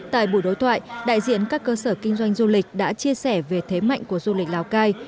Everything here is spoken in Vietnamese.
tại buổi đối thoại đại diện các cơ sở kinh doanh du lịch đã chia sẻ về thế mạnh của du lịch lào cai